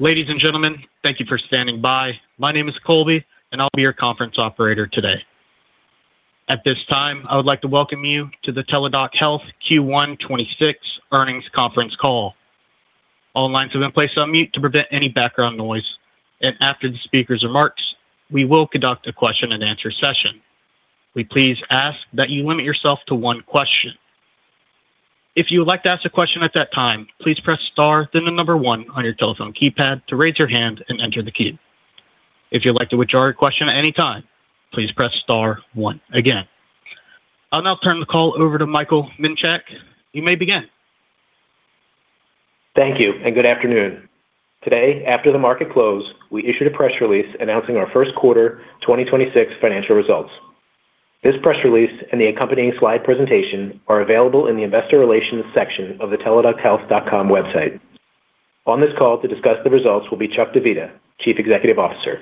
Ladies and gentlemen, thank you for standing by. My name is Colby and I'll be your conference operator today. At this time, I would like to welcome you to the Teladoc Health Q1 2026 earnings conference call. All lines have been placed on mute to prevent any background noise. After the speaker's remarks, we will conduct a question-and-answer session. We please ask that you limit yourself to one question. If you would like to ask a question at that time, please press star, then one on your telephone keypad to raise your hand and enter the queue. If you'd like to withdraw your question at any time, please press star one again. I'll now turn the call over to Michael Minchak. You may begin. Thank you and good afternoon. Today, after the market close, we issued a press release announcing our first quarter 2026 financial results. This press release and the accompanying slide presentation are available in the Investor Relations section of the teladochealth.com website. On this call to discuss the results will be Chuck Divita, Chief Executive Officer.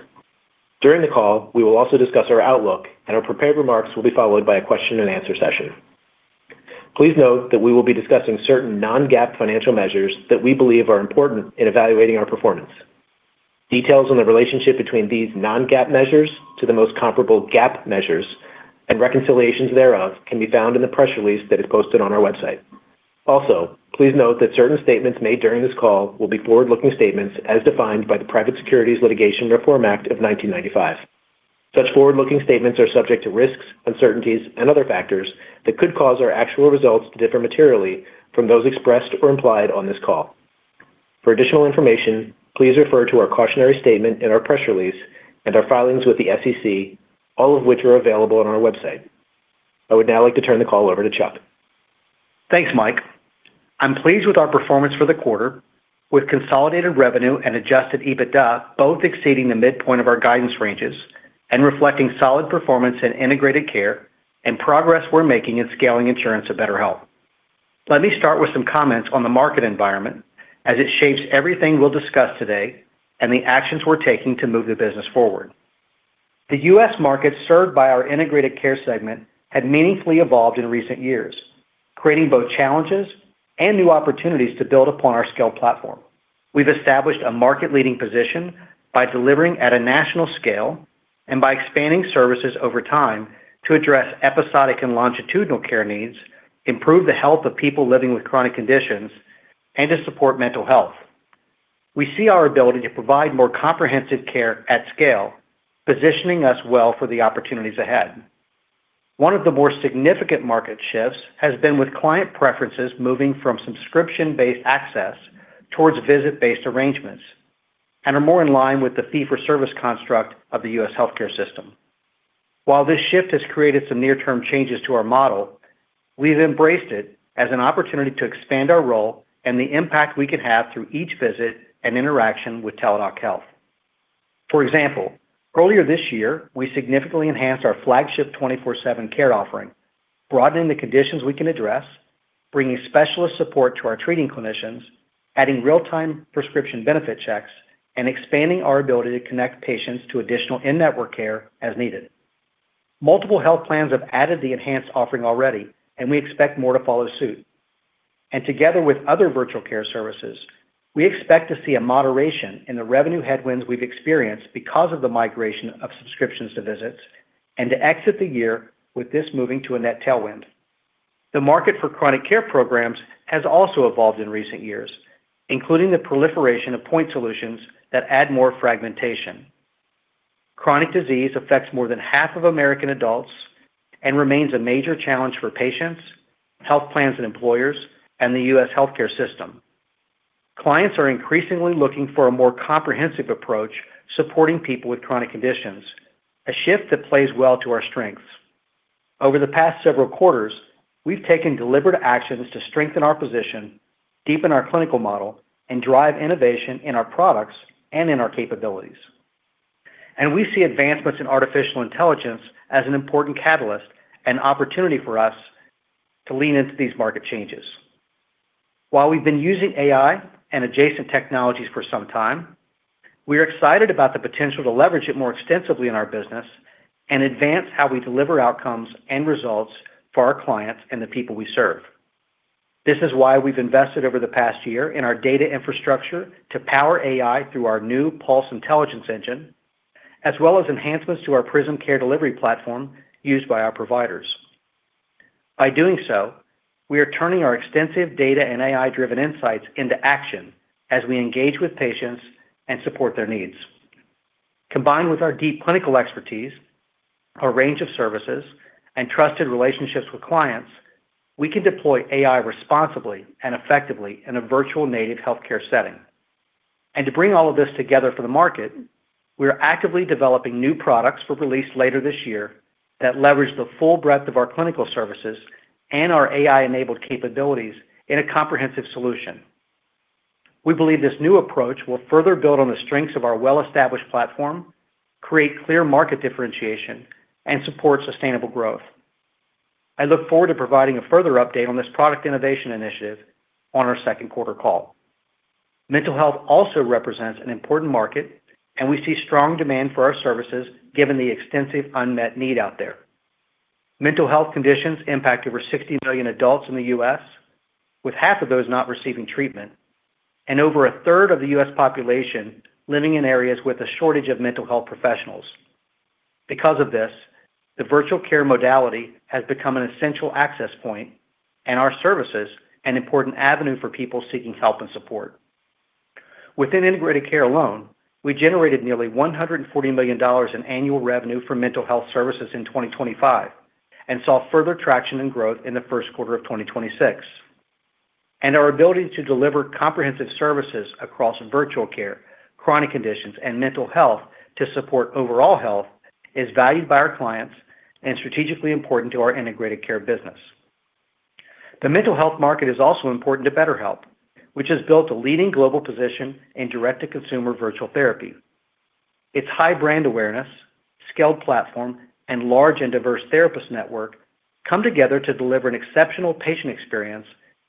During the call, we will also discuss our outlook and our prepared remarks will be followed by a question-and-answer session. Please note that we will be discussing certain non-GAAP financial measures that we believe are important in evaluating our performance. Details on the relationship between these non-GAAP measures to the most comparable GAAP measures and reconciliations thereof can be found in the press release that is posted on our website. Also, please note that certain statements made during this call will be forward-looking statements as defined by the Private Securities Litigation Reform Act of 1995. Such forward-looking statements are subject to risks, uncertainties and other factors that could cause our actual results to differ materially from those expressed or implied on this call. For additional information, please refer to our cautionary statement in our press release and our filings with the SEC, all of which are available on our website. I would now like to turn the call over to Chuck. Thanks, Mike. I'm pleased with our performance for the quarter with consolidated revenue and Adjusted EBITDA both exceeding the midpoint of our guidance ranges and reflecting solid performance in Integrated Care and progress we're making in scaling insurance at BetterHelp. Let me start with some comments on the market environment as it shapes everything we'll discuss today and the actions we're taking to move the business forward. The US market served by our Integrated Care segment had meaningfully evolved in recent years, creating both challenges and new opportunities to build upon our scale platform. We've established a market-leading position by delivering at a national scale and by expanding services over time to address episodic and longitudinal care needs, improve the health of people living with chronic conditions, and to support mental health. We see our ability to provide more comprehensive care at scale, positioning us well for the opportunities ahead. One of the more significant market shifts has been with client preferences moving from subscription-based access towards visit-based arrangements and are more in line with the fee-for-service construct of the U.S. healthcare system. While this shift has created some near-term changes to our model, we've embraced it as an opportunity to expand our role and the impact we can have through each visit and interaction with Teladoc Health. For example, earlier this year, we significantly enhanced our flagship 24/7 care offering, broadening the conditions we can address, bringing specialist support to our treating clinicians, adding real-time prescription benefit checks, and expanding our ability to connect patients to additional in-network care as needed. Multiple health plans have added the enhanced offering already, we expect more to follow suit. Together with other virtual care services, we expect to see a moderation in the revenue headwinds we've experienced because of the migration of subscriptions to visits and to exit the year with this moving to a net tailwind. The market for Chronic Care programs has also evolved in recent years, including the proliferation of point solutions that add more fragmentation. Chronic disease affects more than half of American adults and remains a major challenge for patients, health plans and employers, and the U.S. healthcare system. Clients are increasingly looking for a more comprehensive approach supporting people with chronic conditions, a shift that plays well to our strengths. Over the past several quarters, we've taken deliberate actions to strengthen our position, deepen our clinical model, and drive innovation in our products and in our capabilities. We see advancements in artificial intelligence as an important catalyst and opportunity for us to lean into these market changes. While we've been using AI and adjacent technologies for some time, we are excited about the potential to leverage it more extensively in our business and advance how we deliver outcomes and results for our clients and the people we serve. This is why we've invested over the past year in our data infrastructure to power AI through our new Pulse Intelligence engine, as well as enhancements to our Prism care delivery platform used by our providers. By doing so, we are turning our extensive data and AI-driven insights into action as we engage with patients and support their needs. Combined with our deep clinical expertise, our range of services, and trusted relationships with clients, we can deploy AI responsibly and effectively in a virtual native healthcare setting. To bring all of this together for the market, we are actively developing new products for release later this year that leverage the full breadth of our clinical services and our AI-enabled capabilities in a comprehensive solution. We believe this new approach will further build on the strengths of our well-established platform, create clear market differentiation, and support sustainable growth. I look forward to providing a further update on this product innovation initiative on our second quarter call. Mental health also represents an important market, and we see strong demand for our services given the extensive unmet need out there. Mental health conditions impact over 60 million adults in the U.S., with half of those not receiving treatment, and over a third of the U.S. population living in areas with a shortage of mental health professionals. Because of this, the virtual care modality has become an essential access point and our services an important avenue for people seeking help and support. Within Integrated Care alone, we generated nearly $140 million in annual revenue for mental health services in 2025, and saw further traction and growth in the first quarter of 2026. Our ability to deliver comprehensive services across virtual care, Chronic Care, and mental health to support overall health is valued by our clients and strategically important to our Integrated Care business. The mental health market is also important to BetterHelp, which has built a leading global position in direct-to-consumer virtual therapy. Its high brand awareness, scaled platform, and large and diverse therapist network come together to deliver an exceptional patient experience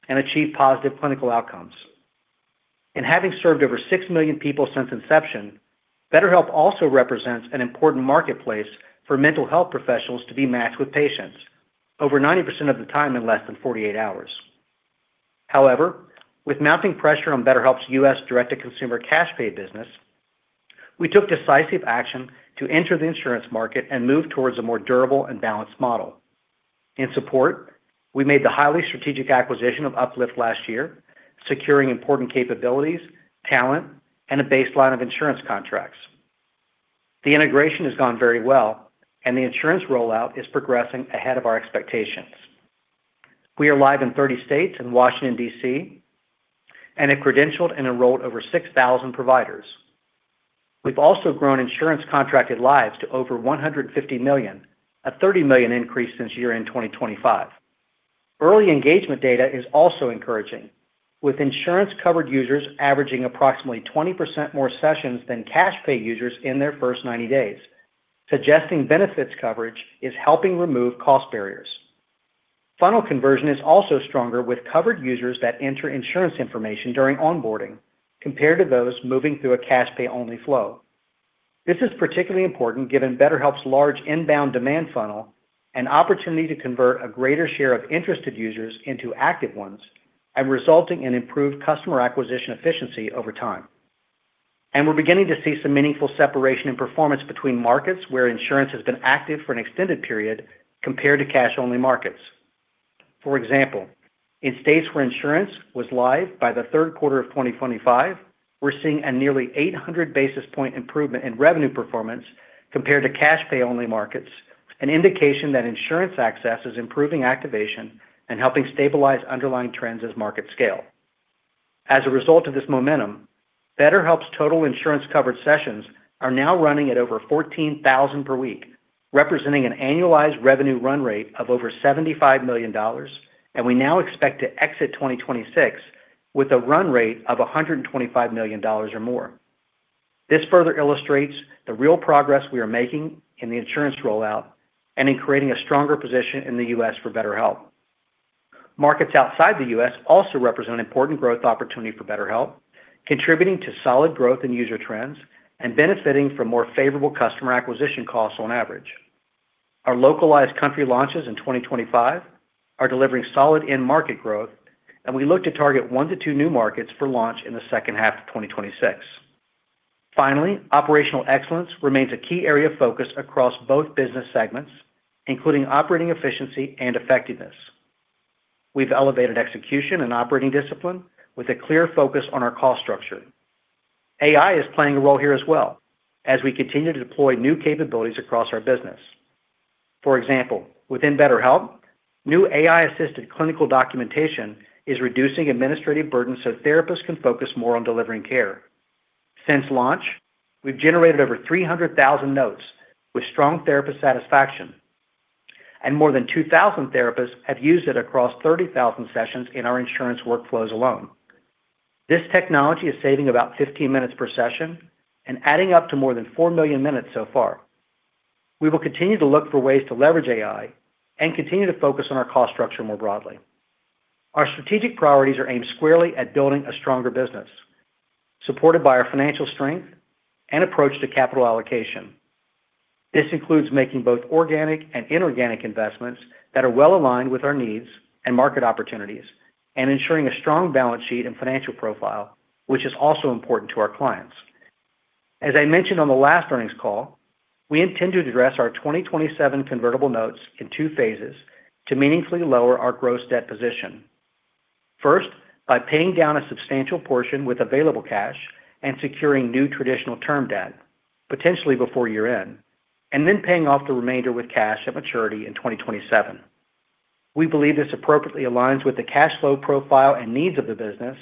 and achieve positive clinical outcomes. Having served over 6 million people since inception, BetterHelp also represents an important marketplace for mental health professionals to be matched with patients, over 90% of the time in less than 48 hours. However, with mounting pressure on BetterHelp's U.S. direct-to-consumer cash pay business, we took decisive action to enter the insurance market and move towards a more durable and balanced model. In support, we made the highly strategic acquisition of UpLift last year, securing important capabilities, talent, and a baseline of insurance contracts. The integration has gone very well, and the insurance rollout is progressing ahead of our expectations. We are live in 30 states and Washington, D.C., and have credentialed and enrolled over 6,000 providers. We've also grown insurance contracted lives to over 150 million, a 30 million increase since year-end 2025. Early engagement data is also encouraging, with insurance-covered users averaging approximately 20% more sessions than cash pay users in their first 90 days, suggesting benefits coverage is helping remove cost barriers. Funnel conversion is also stronger with covered users that enter insurance information during onboarding compared to those moving through a cash pay only flow. This is particularly important given BetterHelp's large inbound demand funnel and opportunity to convert a greater share of interested users into active ones and resulting in improved customer acquisition efficiency over time. We're beginning to see some meaningful separation in performance between markets where insurance has been active for an extended period compared to cash-only markets. For example, in states where insurance was live by the third quarter of 2025, we're seeing a nearly 800 basis point improvement in revenue performance compared to cash pay only markets, an indication that insurance access is improving activation and helping stabilize underlying trends as markets scale. As a result of this momentum, BetterHelp's total insurance-covered sessions are now running at over 14,000 per week, representing an annualized revenue run rate of over $75 million, and we now expect to exit 2026 with a run rate of $125 million or more. This further illustrates the real progress we are making in the insurance rollout and in creating a stronger position in the U.S. for BetterHelp. Markets outside the U.S. also represent an important growth opportunity for BetterHelp, contributing to solid growth in user trends and benefiting from more favorable customer acquisition costs on average. Our localized country launches in 2025 are delivering solid end market growth, and we look to target one to two new markets for launch in the second half of 2026. Finally, operational excellence remains a key area of focus across both business segments, including operating efficiency and effectiveness. We've elevated execution and operating discipline with a clear focus on our cost structure. AI is playing a role here as well as we continue to deploy new capabilities across our business. For example, within BetterHelp, new AI-assisted clinical documentation is reducing administrative burden so therapists can focus more on delivering care. Since launch, we've generated over 300,000 notes with strong therapist satisfaction, and more than 2,000 therapists have used it across 30,000 sessions in our insurance workflows alone. This technology is saving about 15 minutes per session and adding up to more than 4 million minutes so far. We will continue to look for ways to leverage AI and continue to focus on our cost structure more broadly. Our strategic priorities are aimed squarely at building a stronger business, supported by our financial strength and approach to capital allocation. This includes making both organic and inorganic investments that are well aligned with our needs and market opportunities and ensuring a strong balance sheet and financial profile, which is also important to our clients. As I mentioned on the last earnings call, we intend to address our 2027 convertible notes in two phases to meaningfully lower our gross debt position. First, by paying down a substantial portion with available cash and securing new traditional term debt, potentially before year-end, and then paying off the remainder with cash at maturity in 2027. We believe this appropriately aligns with the cash flow profile and needs of the business.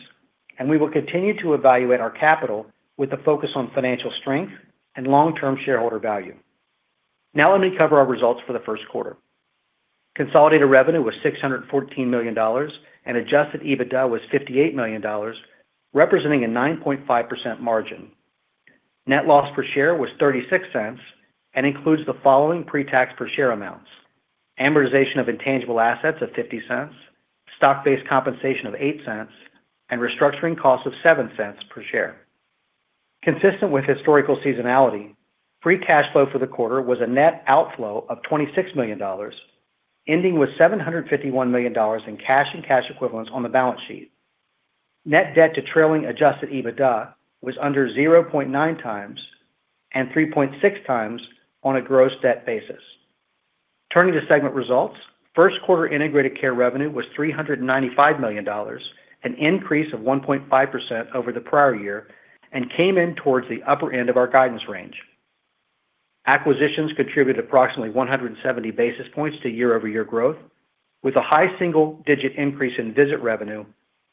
We will continue to evaluate our capital with a focus on financial strength and long-term shareholder value. Now let me cover our results for the first quarter. Consolidated revenue was $614 million, and Adjusted EBITDA was $58 million, representing a 9.5% margin. Net loss per share was $0.36 and includes the following pre-tax per share amounts: amortization of intangible assets of $0.50, stock-based compensation of $0.08, and restructuring costs of $0.07 per share. Consistent with historical seasonality, free cash flow for the quarter was a net outflow of $26 million, ending with $751 million in cash and cash equivalents on the balance sheet. Net debt to trailing Adjusted EBITDA was under 0.9x and 3.6x on a gross debt basis. Turning to segment results, first quarter Integrated Care revenue was $395 million, an increase of 1.5% over the prior year, and came in towards the upper end of our guidance range. Acquisitions contributed approximately 170 basis points to YoY growth, with a high single-digit increase in visit revenue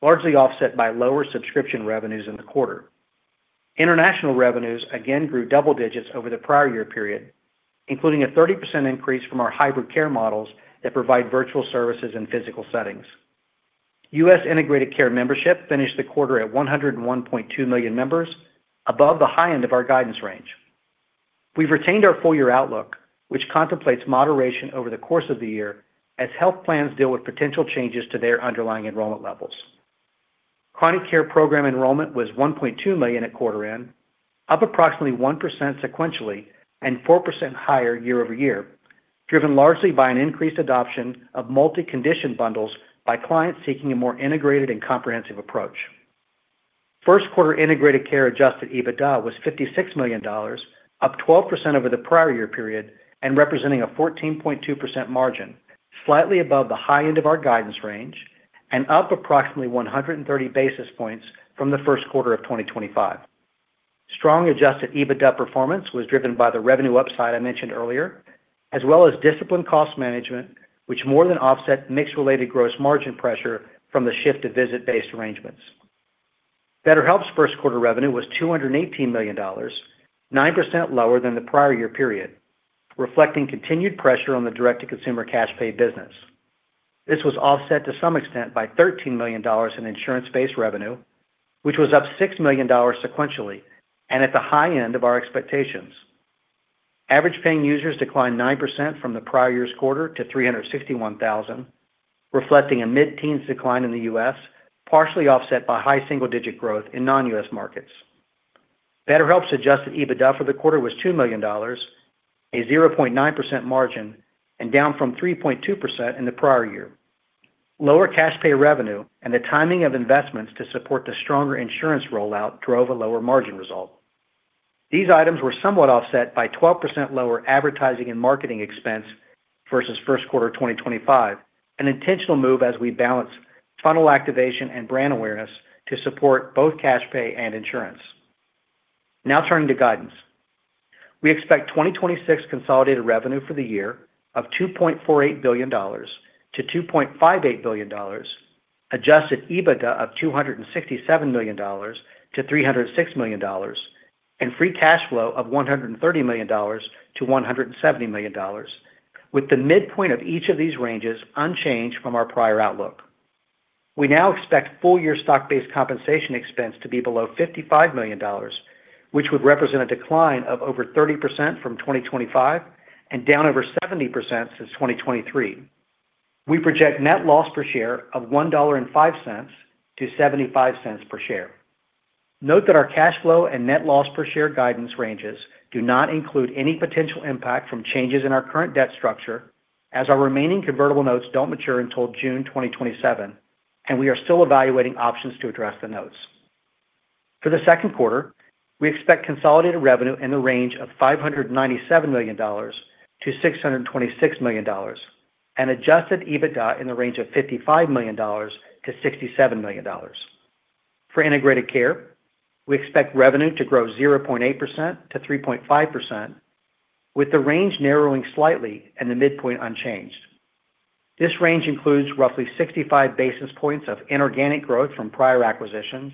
largely offset by lower subscription revenues in the quarter. International revenues again grew double digits over the prior year period, including a 30% increase from our hybrid care models that provide virtual services in physical settings. U.S. Integrated Care membership finished the quarter at 101.2 million members, above the high end of our guidance range. We've retained our full-year outlook, which contemplates moderation over the course of the year as health plans deal with potential changes to their underlying enrollment levels. Chronic Care program enrollment was 1.2 million at quarter end, up approximately 1% sequentially and 4% higher YoY, driven largely by an increased adoption of multi-condition bundles by clients seeking a more integrated and comprehensive approach. First quarter Integrated Care Adjusted EBITDA was $56 million, up 12% over the prior year period and representing a 14.2% margin, slightly above the high end of our guidance range and up approximately 130 basis points from the first quarter of 2025. Strong Adjusted EBITDA performance was driven by the revenue upside I mentioned earlier, as well as disciplined cost management, which more than offset mix-related gross margin pressure from the shift to visit-based arrangements. BetterHelp's first quarter revenue was $218 million, 9% lower than the prior year period, reflecting continued pressure on the direct-to-consumer cash pay business. This was offset to some extent by $13 million in insurance-based revenue, which was up $6 million sequentially and at the high end of our expectations. Average paying users declined 9% from the prior year's quarter to 361,000, reflecting a mid-teens decline in the U.S., partially offset by high single-digit growth in non-US markets. BetterHelp's Adjusted EBITDA for the quarter was $2 million, a 0.9% margin and down from 3.2% in the prior year. Lower cash pay revenue and the timing of investments to support the stronger insurance rollout drove a lower margin result. These items were somewhat offset by 12% lower advertising and marketing expense versus first quarter 2025, an intentional move as we balance funnel activation and brand awareness to support both cash pay and insurance. Now turning to guidance. We expect 2026 consolidated revenue for the year of $2.48 billion-$2.58 billion, Adjusted EBITDA of $267 million-$306 million, and free cash flow of $130 million-$170 million, with the midpoint of each of these ranges unchanged from our prior outlook. We now expect full-year stock-based compensation expense to be below $55 million, which would represent a decline of over 30% from 2025 and down over 70% since 2023. We project net loss per share of $1.05-$0.75 per share. Note that our cash flow and net loss per share guidance ranges do not include any potential impact from changes in our current debt structure, as our remaining convertible notes don't mature until June 2027, and we are still evaluating options to address the notes. For the second quarter, we expect consolidated revenue in the range of $597 million-$626 million and Adjusted EBITDA in the range of $55 million-$67 million. For Integrated Care, we expect revenue to grow 0.8%-3.5%, with the range narrowing slightly and the midpoint unchanged. This range includes roughly 65 basis points of inorganic growth from prior acquisitions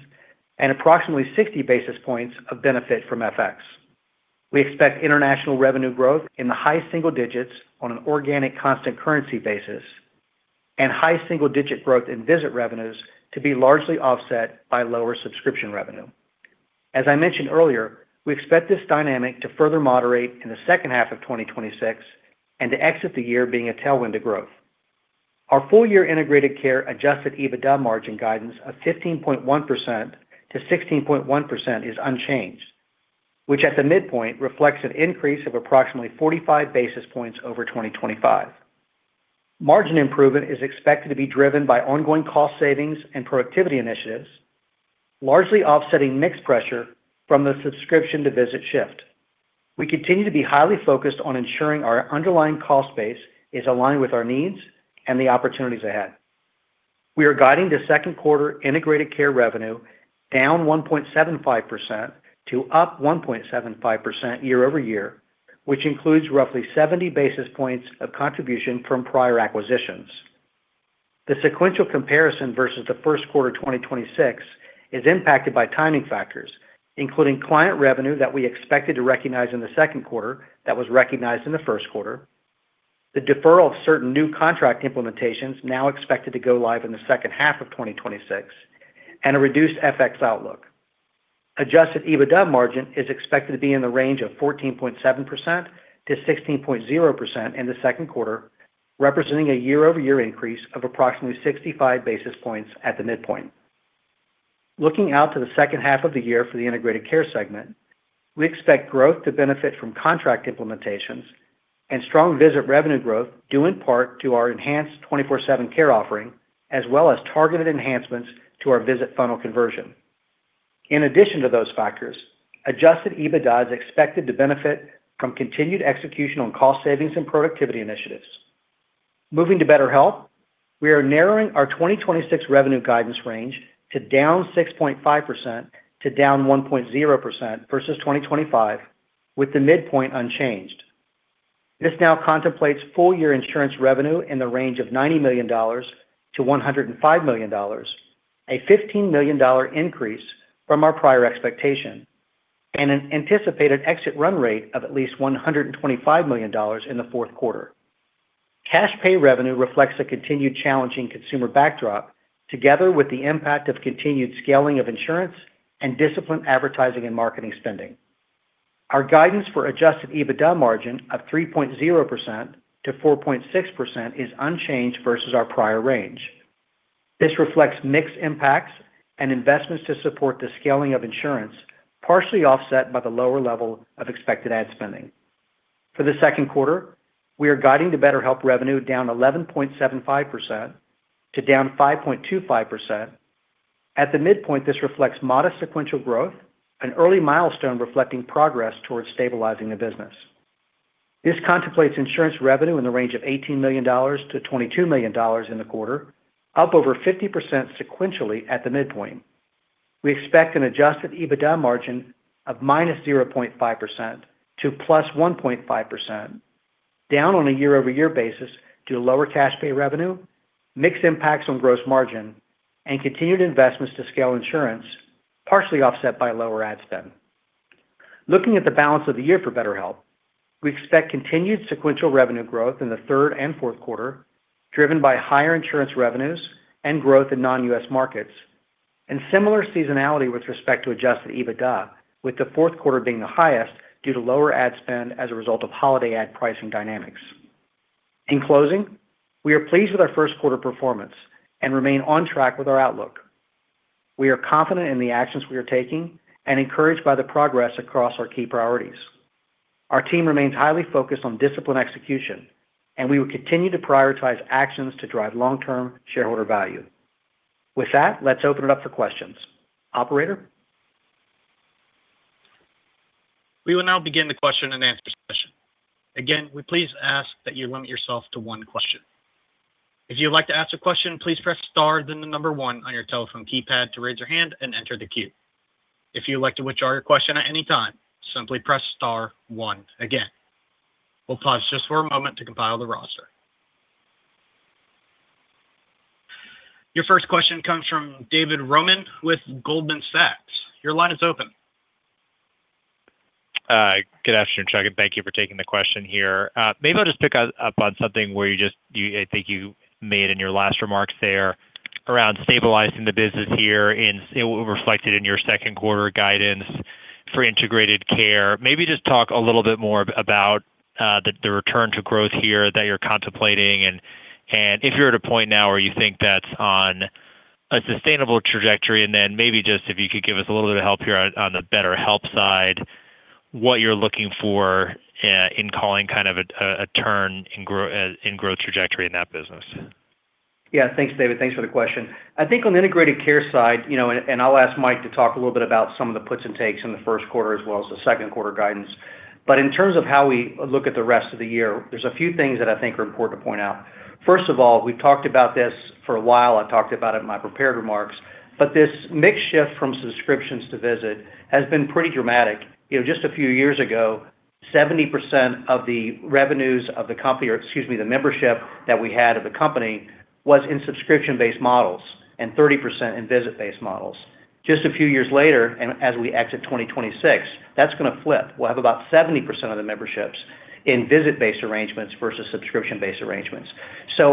and approximately 60 basis points of benefit from FX. We expect international revenue growth in the high single digits on an organic constant currency basis and high single-digit growth in visit revenues to be largely offset by lower subscription revenue. As I mentioned earlier, we expect this dynamic to further moderate in the second half of 2026 and to exit the year being a tailwind to growth. Our full-year Integrated Care Adjusted EBITDA margin guidance of 15.1%-16.1% is unchanged, which at the midpoint reflects an increase of approximately 45 basis points over 2025. Margin improvement is expected to be driven by ongoing cost savings and productivity initiatives, largely offsetting mixed pressure from the subscription to visit shift. We continue to be highly focused on ensuring our underlying cost base is aligned with our needs and the opportunities ahead. We are guiding the second quarter Integrated Care revenue down 1.75% to up 1.75% YoY, which includes roughly 70 basis points of contribution from prior acquisitions. The sequential comparison versus the first quarter 2026 is impacted by timing factors, including client revenue that we expected to recognize in the second quarter that was recognized in the first quarter, the deferral of certain new contract implementations now expected to go live in the second half of 2026, and a reduced FX outlook. Adjusted EBITDA margin is expected to be in the range of 14.7%-16.0% in the second quarter, representing a YoY increase of approximately 65 basis points at the midpoint. Looking out to the second half of the year for the Integrated Care segment, we expect growth to benefit from contract implementations and strong visit revenue growth due in part to our enhanced 24/7 care offering, as well as targeted enhancements to our visit funnel conversion. In addition to those factors, Adjusted EBITDA is expected to benefit from continued execution on cost savings and productivity initiatives. Moving to BetterHelp, we are narrowing our 2026 revenue guidance range to down 6.5% to down 1.0% versus 2025, with the midpoint unchanged. This now contemplates full-year insurance revenue in the range of $90 million-$105 million, a $15 million increase from our prior expectation, and an anticipated exit run rate of at least $125 million in the fourth quarter. Cash pay revenue reflects a continued challenging consumer backdrop together with the impact of continued scaling of insurance and disciplined advertising and marketing spending. Our guidance for Adjusted EBITDA margin of 3.0%-4.6% is unchanged versus our prior range. This reflects mixed impacts and investments to support the scaling of insurance, partially offset by the lower level of expected ad spending. For the second quarter, we are guiding to BetterHelp revenue down 11.75% to down 5.25%. At the midpoint, this reflects modest sequential growth, an early milestone reflecting progress towards stabilizing the business. This contemplates insurance revenue in the range of $18 million-$22 million in the quarter, up over 50% sequentially at the midpoint. We expect an Adjusted EBITDA margin of -0.5% to +1.5%, down on a YoY basis to lower cash pay revenue, mixed impacts on gross margin, and continued investments to scale insurance, partially offset by lower ad spend. Looking at the balance of the year for BetterHelp, we expect continued sequential revenue growth in the third and fourth quarter, driven by higher insurance revenues and growth in non-U.S. markets, and similar seasonality with respect to Adjusted EBITDA, with the fourth quarter being the highest due to lower ad spend as a result of holiday ad pricing dynamics. In closing, we are pleased with our first quarter performance and remain on track with our outlook. We are confident in the actions we are taking and encouraged by the progress across our key priorities. Our team remains highly focused on disciplined execution, and we will continue to prioritize actions to drive long-term shareholder value. With that, let's open it up for questions. Operator? We will now begin the question and answer session. Again we please ask that you limit yourself to one question. If you would like to ask a question please press star then number one on your telephone keypad, to raise your hand and then enter the queue. If you would like to withdraw your question anytime simply dial star one again. I'll pause just for a moment to compile the roster. Your first question comes from David Roman with Goldman Sachs. Your line is open. Good afternoon, Chuck, and thank you for taking the question here. Maybe I'll just pick up on something where I think you made in your last remarks there around stabilizing the business here and it reflected in your second quarter guidance for Integrated Care. Maybe just talk a little bit more about the return to growth here that you're contemplating and if you're at a point now where you think that's on a sustainable trajectory, and then maybe just if you could give us a little bit of help here on the BetterHelp side, what you're looking for in calling kind of a turn in growth trajectory in that business. Yeah. Thanks, David. Thanks for the question. I think on the Integrated Care side, you know, and I'll ask Mike to talk a little bit about some of the puts and takes in the first quarter as well as the second quarter guidance. In terms of how we look at the rest of the year, there's a few things that I think are important to point out. First of all, we've talked about this for a while. I talked about it in my prepared remarks, but this mix shift from subscriptions to visit has been pretty dramatic. You know, just a few years ago, 70% of the revenues of the company, or excuse me, the membership that we had of the company was in subscription-based models and 30% in visit-based models. Just a few years later, and as we exit 2026, that's gonna flip. We'll have about 70% of the memberships in visit-based arrangements versus subscription-based arrangements.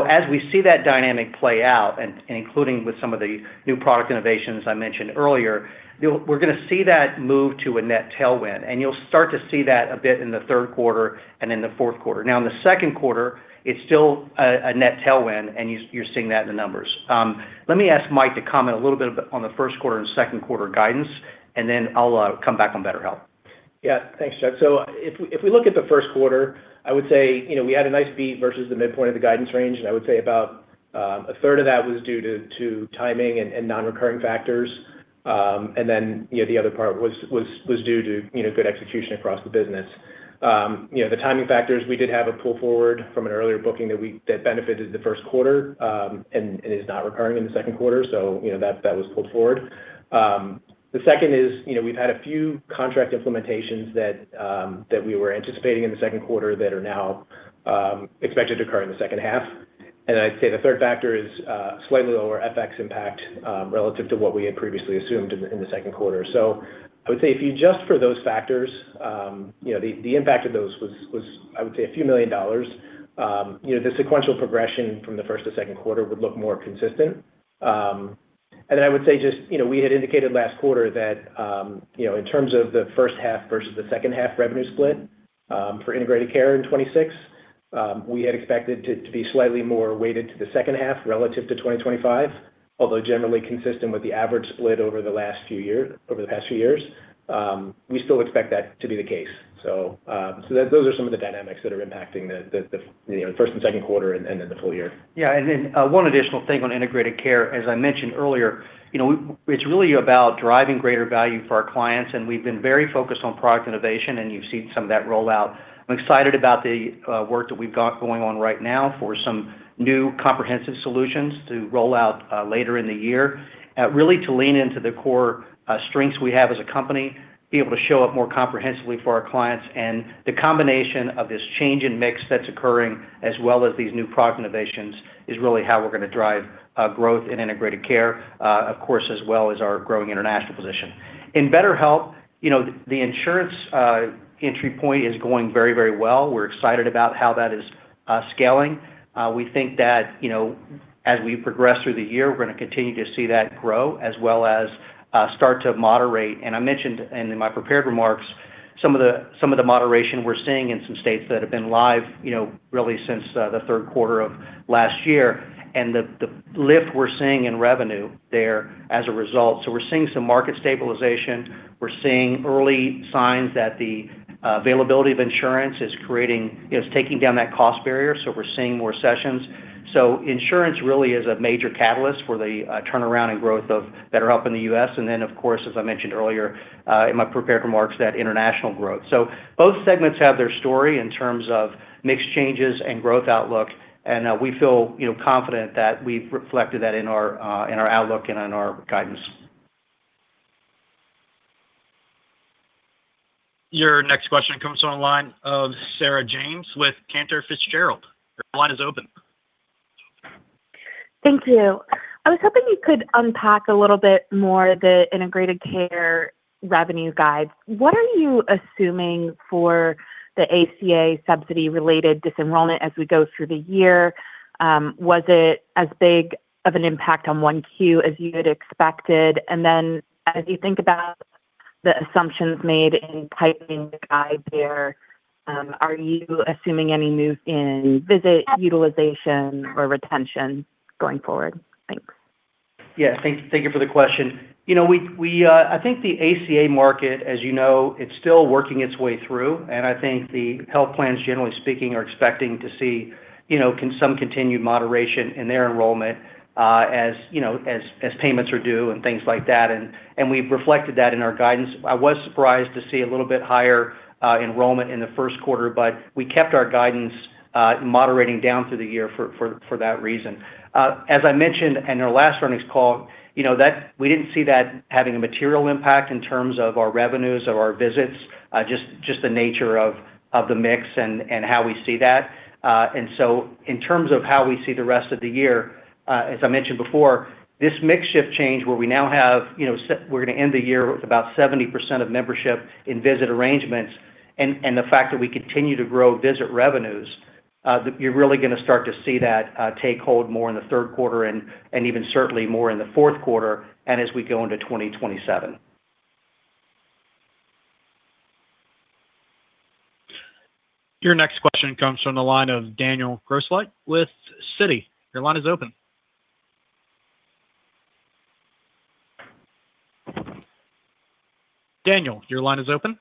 As we see that dynamic play out, and including with some of the new product innovations I mentioned earlier, we're gonna see that move to a net tailwind, and you'll start to see that a bit in the third quarter and in the fourth quarter. Now, in the second quarter, it's still a net tailwind, and you're seeing that in the numbers. Let me ask Mike to comment a little bit on the first quarter and second quarter guidance, and then I'll come back on BetterHelp. Thanks, Chuck. If we look at the first quarter, I would say, you know, we had a nice beat versus the midpoint of the guidance range, and I would say about a third of that was due to timing and non-recurring factors. You know, the other part was due to, you know, good execution across the business. You know, the timing factors, we did have a pull forward from an earlier booking that benefited the first quarter, and is not recurring in the second quarter. You know, that was pulled forward. The second is, you know, we've had a few contract implementations that we were anticipating in the second quarter that are now expected to occur in the second half. I'd say the third factor is slightly lower FX impact relative to what we had previously assumed in the second quarter. I would say if you adjust for those factors, you know, the impact of those was, I would say, a few million dollars. You know, the sequential progression from the first to second quarter would look more consistent. I would say just, you know, we had indicated last quarter that, you know, in terms of the first half versus the second half revenue split, for Integrated Care in 2026, we had expected it to be slightly more weighted to the second half relative to 2025, although generally consistent with the average split over the past few years. We still expect that to be the case. Those are some of the dynamics that are impacting the, you know, the first and second quarter and then the full year. Yeah. One additional thing on Integrated Care. As I mentioned earlier, you know, it's really about driving greater value for our clients, and we've been very focused on product innovation, and you've seen some of that roll out. I'm excited about the work that we've got going on right now for some new comprehensive solutions to roll out later in the year. Really to lean into the core strengths we have as a company, be able to show up more comprehensively for our clients. The combination of this change in mix that's occurring as well as these new product innovations is really how we're gonna drive growth in Integrated Care, of course, as well as our growing international position. In BetterHelp, you know, the insurance entry point is going very, very well. We're excited about how that is scaling. We think that, you know, as we progress through the year, we're gonna continue to see that grow as well as start to moderate. I mentioned and in my prepared remarks, some of the, some of the moderation we're seeing in some states that have been live, you know, really since the third quarter of last year, and the lift we're seeing in revenue there as a result. We're seeing some market stabilization. We're seeing early signs that the availability of insurance is taking down that cost barrier, so we're seeing more sessions. Insurance really is a major catalyst for the turnaround and growth of BetterHelp in the U.S. Of course, as I mentioned earlier, in my prepared remarks, that international growth. Both segments have their story in terms of mix changes and growth outlook, and we feel, you know, confident that we've reflected that in our in our outlook and in our guidance. Your next question comes from the line of Sarah James with Cantor Fitzgerald. Your line is open. Thank you. I was hoping you could unpack a little bit more the Integrated Care revenue guide. What are you assuming for the ACA subsidy related disenrollment as we go through the year? Was it as big of an impact on Q1 as you had expected? And then as you think about the assumptions made in typing the guide there, are you assuming any moves in visit utilization or retention going forward? Thanks. Thank you for the question. You know, we, I think the ACA market, as you know, it's still working its way through, and I think the health plans, generally speaking, are expecting to see, you know, some continued moderation in their enrollment, as, you know, payments are due and things like that. We've reflected that in our guidance. I was surprised to see a little bit higher enrollment in the first quarter, but we kept our guidance moderating down through the year for that reason. As I mentioned in our last earnings call, you know, that we didn't see that having a material impact in terms of our revenues or our visits, just the nature of the mix and how we see that. In terms of how we see the rest of the year, as I mentioned before, this mix shift change where we now have, you know, we're gonna end the year with about 70% of membership in visit arrangements and the fact that we continue to grow visit revenues, that you're really gonna start to see that take hold more in the third quarter and even certainly more in the fourth quarter and as we go into 2027. Your next question comes from the line of Daniel Grosslight with Citi, your line is open. Daniel, your line is open.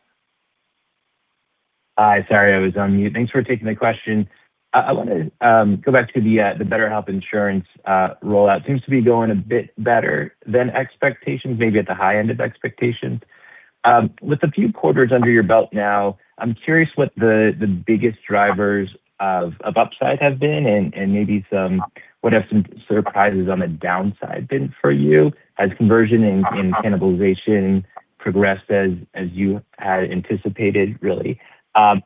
Hi. Sorry, I was on mute. Thanks for taking the question. I wanna go back to the BetterHelp insurance rollout. Seems to be going a bit better than expectations, maybe at the high end of expectations. With a few quarters under your belt now, I'm curious what the biggest drivers of upside have been and what have some surprises on the downside been for you as conversion and cannibalization progressed as you had anticipated, really. I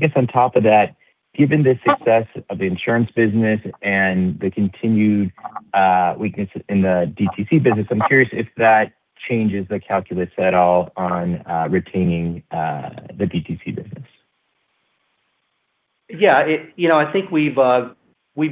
guess on top of that, given the success of the insurance business and the continued weakness in the DTC business, I'm curious if that changes the calculus at all on retaining the DTC business. Yeah. You know, I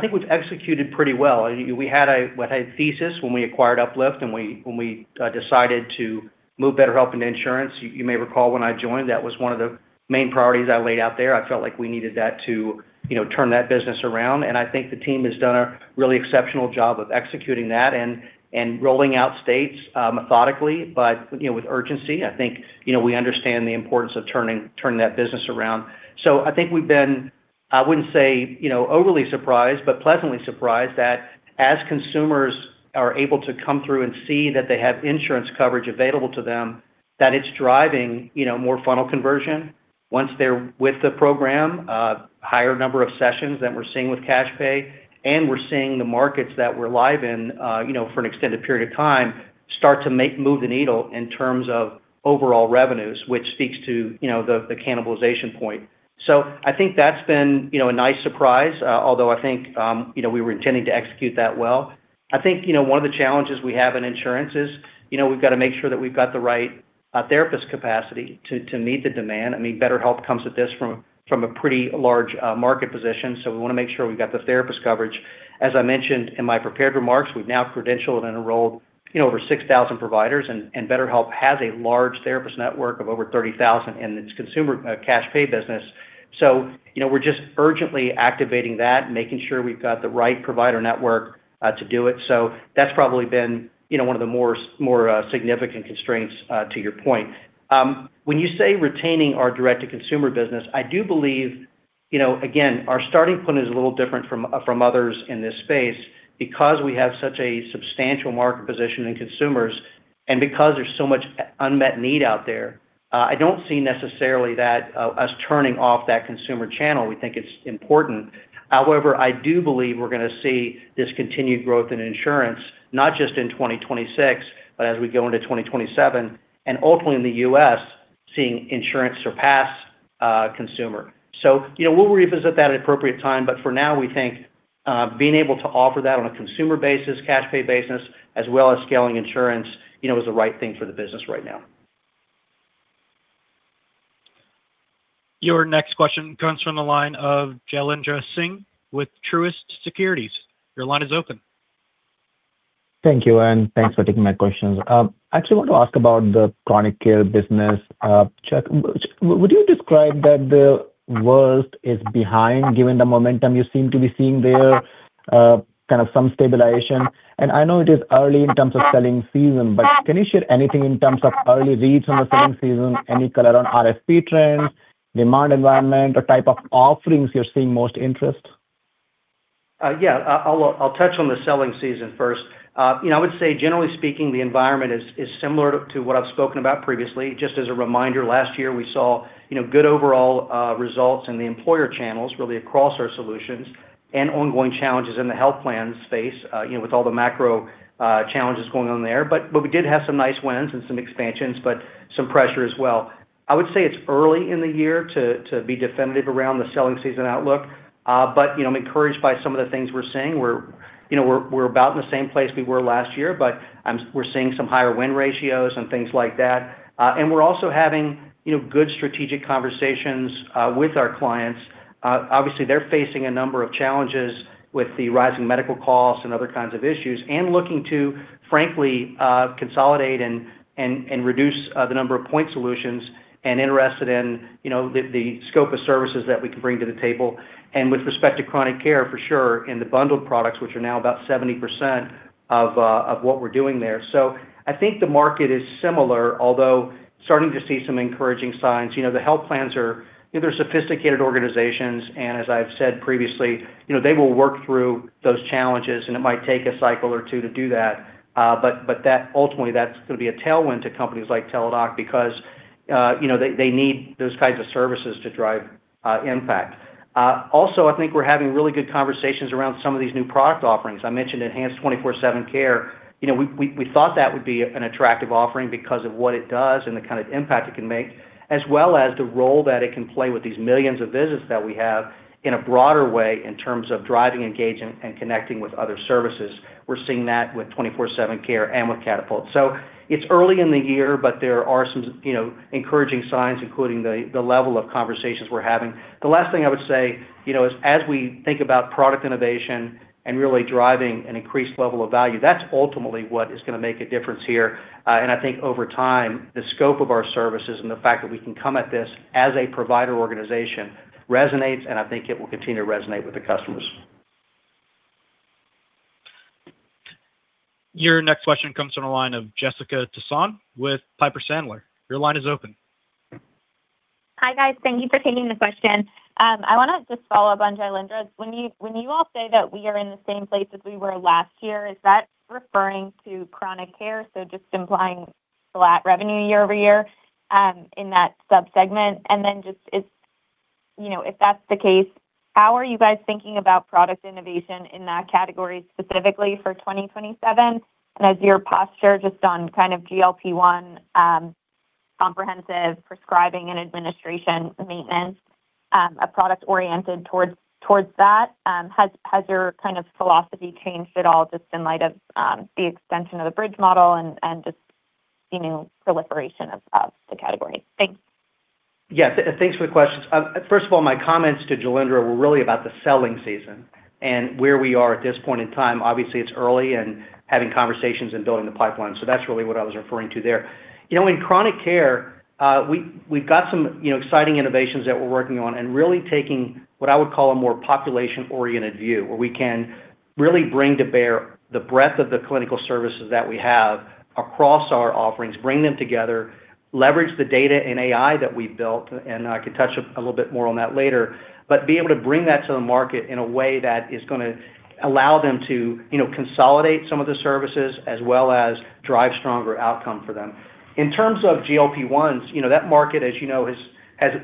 think we've executed pretty well. We had a, what? A thesis when we acquired UpLift, and we, when we decided to move BetterHelp into insurance. You, you may recall when I joined, that was one of the main priorities I laid out there. I felt like we needed that to, you know, turn that business around. I think the team has done a really exceptional job of executing that and rolling out states methodically, but, you know, with urgency. I think, you know, we understand the importance of turning that business around. I think we've been, I wouldn't say, you know, overly surprised, but pleasantly surprised that as consumers are able to come through and see that they have insurance coverage available to them, that it's driving, you know, more funnel conversion once they're with the program, higher number of sessions than we're seeing with cash pay, and we're seeing the markets that we're live in, you know, for an extended period of time start to move the needle in terms of overall revenues, which speaks to, you know, the cannibalization point. I think that's been, you know, a nice surprise, although I think, you know, we were intending to execute that well. I think, you know, one of the challenges we have in insurance is, you know, we've got to make sure that we've got the right therapist capacity to meet the demand. I mean, BetterHelp comes with this from a pretty large market position, so we wanna make sure we've got the therapist coverage. As I mentioned in my prepared remarks, we've now credentialed and enrolled, you know, over 6,000 providers, and BetterHelp has a large therapist network of over 30,000 in its consumer cash pay business. You know, we're just urgently activating that and making sure we've got the right provider network to do it. That's probably been, you know, one of the more significant constraints to your point. When you say retaining our direct-to-consumer business, I do believe, you know, again, our starting point is a little different from others in this space because we have such a substantial market position in consumers and because there's so much unmet need out there. I don't see necessarily that us turning off that consumer channel, we think it's important. However, I do believe we're going to see this continued growth in insurance, not just in 2026, but as we go into 2027, and ultimately in the U.S. seeing insurance surpass consumer. You know, we'll revisit that at appropriate time. For now, we think, being able to offer that on a consumer basis, cash pay basis, as well as scaling insurance, you know, is the right thing for the business right now. Your next question comes from the line of Jailendra Singh with Truist Securities. Your line is open. Thank you, and thanks for taking my questions. I actually want to ask about the Chronic Care business. Chuck, would you describe that the worst is behind, given the momentum you seem to be seeing there, kind of some stabilization? I know it is early in terms of selling season, but can you share anything in terms of early reads on the selling season? Any color on RFP trends, demand environment, or type of offerings you're seeing most interest? Yeah. I'll touch on the selling season first. You know, I would say generally speaking, the environment is similar to what I've spoken about previously. Just as a reminder, last year, we saw, you know, good overall results in the employer channels, really across our solutions and ongoing challenges in the health plan space, you know, with all the macro challenges going on there. But we did have some nice wins and some expansions, but some pressure as well. I would say it's early in the year to be definitive around the selling season outlook. You know, I'm encouraged by some of the things we're seeing. We're, you know, we're about in the same place we were last year, but we're seeing some higher win ratios and things like that. We're also having, you know, good strategic conversations with our clients. Obviously they're facing a number of challenges with the rising medical costs and other kinds of issues and looking to, frankly, consolidate and reduce the number of point solutions and interested in, you know, the scope of services that we can bring to the table. With respect to Chronic Care, for sure, and the bundled products, which are now about 70% of what we're doing there. I think the market is similar, although starting to see some encouraging signs. You know, the health plans are, you know, they're sophisticated organizations, and as I've said previously, you know, they will work through those challenges, and it might take a cycle or two to do that. Ultimately, that's gonna be a tailwind to companies like Teladoc because, you know, they need those kinds of services to drive impact. Also, I think we're having really good conversations around some of these new product offerings. I mentioned enhanced 24/7 care. You know, we thought that would be an attractive offering because of what it does and the kind of impact it can make, as well as the role that it can play with these millions of visits that we have in a broader way in terms of driving engagement and connecting with other services. We're seeing that with 24/7 care and with Catapult. It's early in the year, but there are some, you know, encouraging signs, including the level of conversations we're having. The last thing I would say, you know, is as we think about product innovation and really driving an increased level of value, that's ultimately what is gonna make a difference here. I think over time, the scope of our services and the fact that we can come at this as a provider organization resonates, and I think it will continue to resonate with the customers. Your next question comes from the line of Jessica Tassan with Piper Sandler. Your line is open. Hi, guys. Thank you for taking the question. I wanna just follow up on Jailendra. When you, when you all say that we are in the same place as we were last year, is that referring to Chronic Care, so just implying flat revenue YoY in that sub-segment? Just if, you know, if that's the case, how are you guys thinking about product innovation in that category specifically for 2027? Is your posture just on kind of GLP-1 comprehensive prescribing and administration maintenance, a product oriented towards that? Has your kind of philosophy changed at all just in light of the extension of the bridge model and just the new proliferation of the category? Thanks. Yes. Thanks for the questions. First of all, my comments to Jailendra were really about the selling season and where we are at this point in time. Obviously, it's early and having conversations and building the pipeline, so that's really what I was referring to there. You know, in Chronic Care, we've got some, you know, exciting innovations that we're working on and really taking what I would call a more population-oriented view, where we can really bring to bear the breadth of the clinical services that we have across our offerings, bring them together, leverage the data and AI that we've built, and I can touch a little bit more on that later. Be able to bring that to the market in a way that is going to allow them to, you know, consolidate some of the services as well as drive stronger outcome for them. In terms of GLP-1s, you know, that market, as you know, has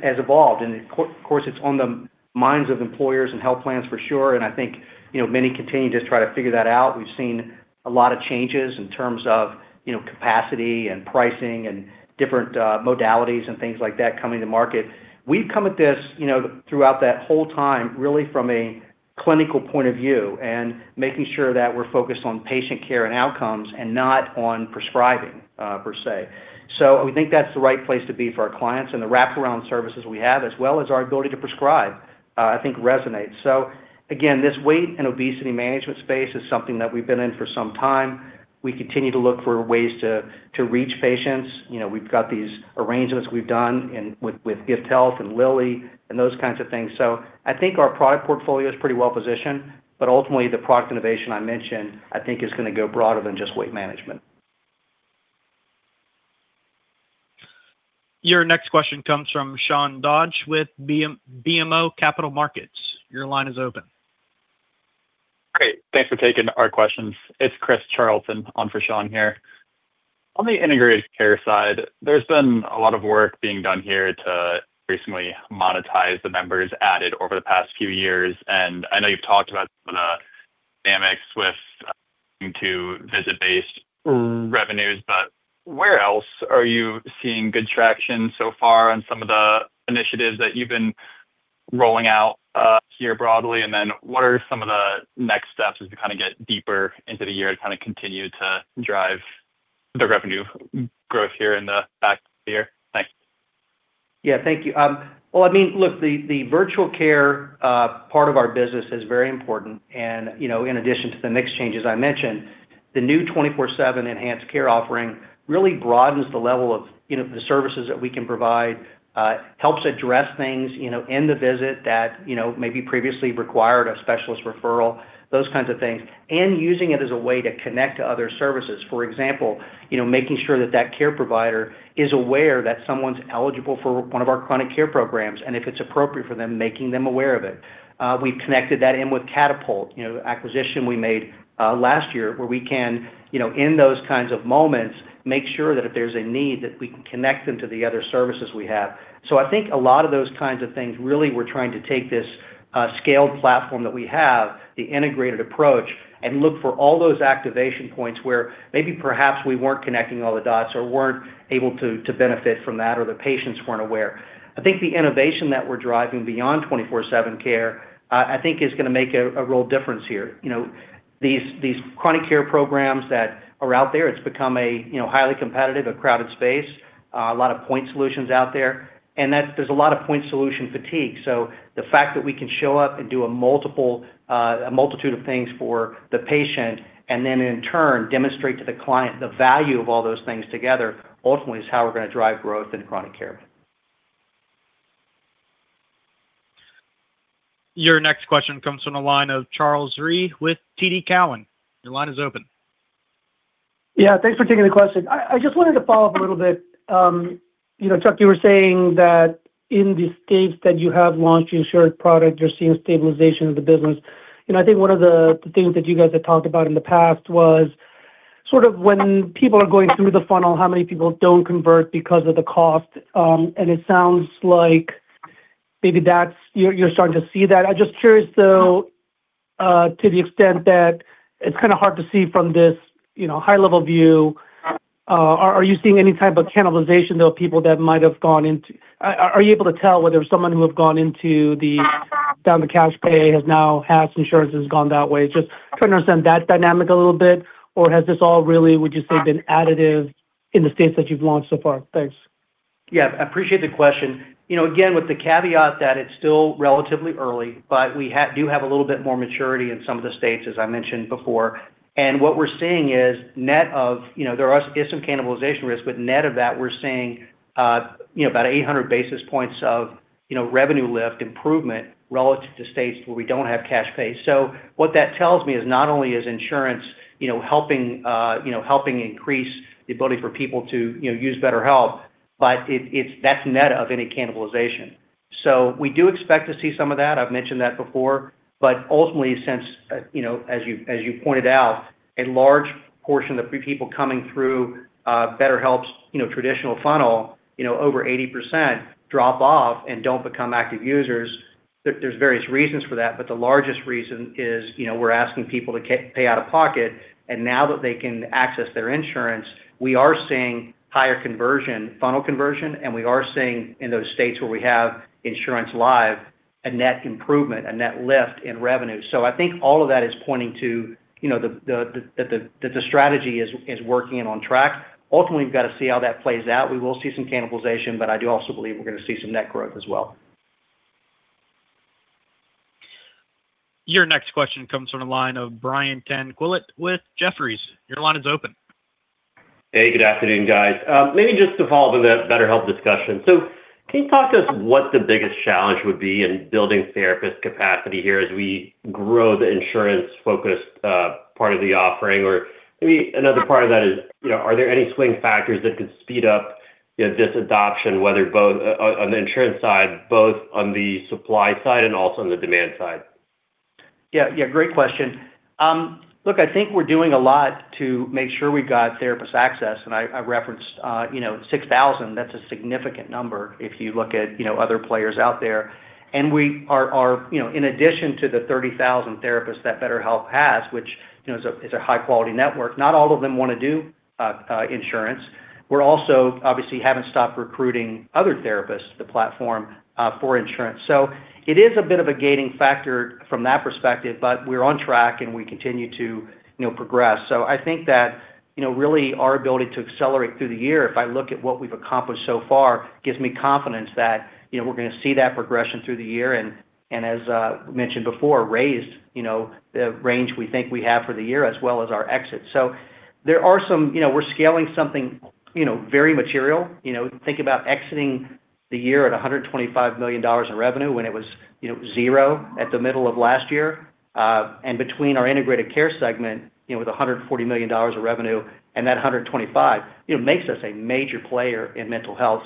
evolved. Of course, it's on the minds of employers and health plans for sure, and I think, you know, many continue to try to figure that out. We've seen a lot of changes in terms of, you know, capacity and pricing and different modalities and things like that coming to market. We've come at this, you know, throughout that whole time, really from a clinical point of view and making sure that we're focused on patient care and outcomes and not on prescribing per se. We think that's the right place to be for our clients, and the wraparound services we have, as well as our ability to prescribe, I think resonates. Again, this weight and obesity management space is something that we've been in for some time. We continue to look for ways to reach patients. You know, we've got these arrangements we've done in, with Gifthealth and Lilly and those kinds of things. I think our product portfolio is pretty well-positioned, but ultimately, the product innovation I mentioned, I think is gonna go broader than just weight management. Your next question comes from Sean Dodge with BMO Capital Markets. Your line is open. Great. Thanks for taking our questions. It's Christopher Charlton on for Sean here. On the Integrated Care side, there's been a lot of work being done here to recently monetize the members added over the past few years, I know you've talked about some of the dynamics with looking to visit-based revenues. Where else are you seeing good traction so far on some of the initiatives that you've been rolling out here broadly? What are some of the next steps as we kind of get deeper into the year to kind of continue to drive the revenue growth here in the back half of the year? Thanks. Yeah. Thank you. Well, I mean, look, the virtual care part of our business is very important and, you know, in addition to the mix changes I mentioned, the new 24/7 enhanced care offering really broadens the level of, you know, the services that we can provide, helps address things, you know, in the visit that, you know, maybe previously required a specialist referral, those kinds of things. Using it as a way to connect to other services. For example, you know, making sure that that care provider is aware that someone's eligible for one of our Chronic Care programs, and if it's appropriate for them, making them aware of it. We've connected that in with Catapult, you know, the acquisition we made last year, where we can, you know, in those kinds of moments, make sure that if there's a need, that we can connect them to the other services we have. I think a lot of those kinds of things, really we're trying to take this scaled platform that we have, the integrated approach, and look for all those activation points where maybe perhaps we weren't connecting all the dots or weren't able to benefit from that, or the patients weren't aware. I think the innovation that we're driving beyond 24/7 care, I think is gonna make a real difference here. You know, these Chronic Care programs that are out there, it's become a, you know, highly competitive, a crowded space, a lot of point solutions out there. That there's a lot of point solution fatigue. The fact that we can show up and do a multiple, a multitude of things for the patient, and then in turn demonstrate to the client the value of all those things together, ultimately is how we're gonna drive growth in Chronic Care. Your next question comes from the line of Charles Rhyee with TD Cowen. Your line is open. Yeah. Thanks for taking the question. I just wanted to follow up a little bit. You know, Chuck, you were saying that in the states that you have launched the insurance product, you're seeing stabilization of the business. I think one of the things that you guys had talked about in the past was sort of when people are going through the funnel, how many people don't convert because of the cost. It sounds like maybe that's, you're starting to see that. I'm just curious, though, to the extent that it's kinda hard to see from this, you know, high level view, are you seeing any type of cannibalization, though, of people that might have gone into. Are you able to tell whether someone who have gone into the down the cash pay has insurance, has gone that way? Just trying to understand that dynamic a little bit. Or has this all really, would you say, been additive in the states that you've launched so far? Thanks. I appreciate the question. You know, again, with the caveat that it's still relatively early, but we do have a little bit more maturity in some of the states, as I mentioned before. What we're seeing is net of, you know, there is some cannibalization risk, but net of that, we're seeing, you know, about 800 basis points of, you know, revenue lift improvement relative to states where we don't have cash pay. What that tells me is not only is insurance, you know, helping, you know, helping increase the ability for people to, you know, use BetterHelp, but it's net of any cannibalization. We do expect to see some of that. I've mentioned that before. Ultimately, since, you know, as you, as you pointed out, a large portion of the people coming through BetterHelp's, you know, traditional funnel, you know, over 80% drop off and don't become active users. There's various reasons for that, but the largest reason is, you know, we're asking people to pay out of pocket, and now that they can access their insurance, we are seeing higher conversion, funnel conversion, and we are seeing in those states where we have insurance live, a net improvement, a net lift in revenue. I think all of that is pointing to, you know, that the strategy is working and on track. Ultimately, we've got to see how that plays out. We will see some cannibalization, but I do also believe we're gonna see some net growth as well. Your next question comes from the line of Brian Tanquilut with Jefferies. Your line is open. Hey, good afternoon, guys. Maybe just to follow up on the BetterHelp discussion. Can you talk to what the biggest challenge would be in building therapist capacity here as we grow the insurance-focused part of the offering? Maybe another part of that is, you know, are there any swing factors that could speed up, you know, this adoption, whether both on the insurance side, both on the supply side and also on the demand side? Yeah, great question. Look, I think we're doing a lot to make sure we've got therapist access, and I referenced, you know, 6,000. That's a significant number if you look at, you know, other players out there. We are... You know, in addition to the 30,000 therapists that BetterHelp has, which, you know, is a high-quality network, not all of them wanna do insurance. We're also obviously haven't stopped recruiting other therapists to the platform for insurance. It is a bit of a gating factor from that perspective, but we're on track, and we continue to, you know, progress. I think that, you know, really our ability to accelerate through the year, if I look at what we've accomplished so far, gives me confidence that, you know, we're gonna see that progression through the year and, as mentioned before, raise, you know, the range we think we have for the year as well as our exits. You know, we're scaling something, you know, very material. You know, think about exiting the year at $125 million in revenue when it was, you know, zero at the middle of last year. Between our Integrated Care segment, you know, with $140 million of revenue and that $125 million, it makes us a major player in mental health.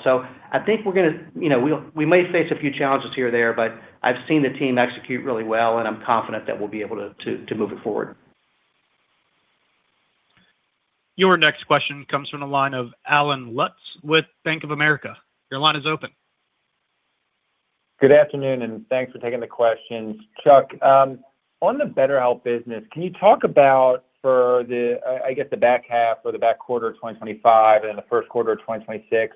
I think we're going to, you know, we may face a few challenges here or there, but I've seen the team execute really well, and I'm confident that we'll be able to move it forward. Your next question comes from the line of Allen Lutz with Bank of America. Your line is open. Good afternoon, and thanks for taking the questions. Chuck, on the BetterHelp business, can you talk about for the, I guess, the back half or the back quarter of 2025 and the first quarter of 2026,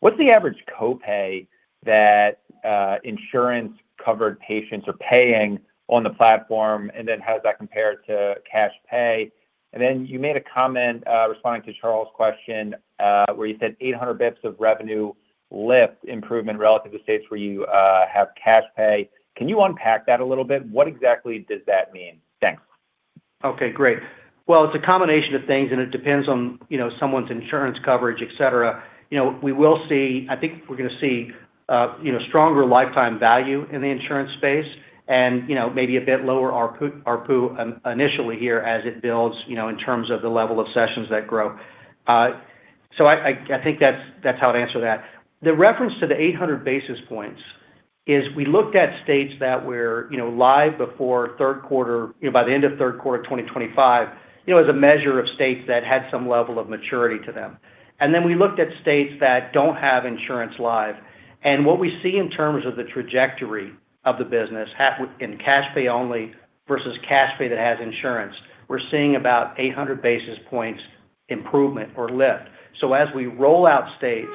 what's the average copay that insurance-covered patients are paying on the platform, and then how does that compare to cash pay? You made a comment responding to Charles' question, where you said 800 basis points of revenue lift improvement relative to states where you have cash pay. Can you unpack that a little bit? What exactly does that mean? Thanks. Okay, great. Well, it's a combination of things, and it depends on, you know, someone's insurance coverage, et cetera. You know, I think we're gonna see, you know, stronger lifetime value in the insurance space and, you know, maybe a bit lower ARPU initially here as it builds, you know, in terms of the level of sessions that grow. I think that's how I'd answer that. The reference to the 800 basis points is we looked at states that were, you know, live before third quarter, you know, by the end of third quarter of 2025, you know, as a measure of states that had some level of maturity to them. We looked at states that don't have insurance live. What we see in terms of the trajectory of the business in cash pay only versus cash pay that has insurance, we're seeing about 800 basis points improvement or lift. As we roll out states,